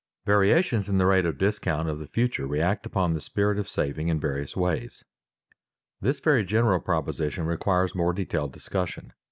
Variations in the rate of discount of the future react upon the spirit of saving in various ways. This very general proposition requires more detailed discussion.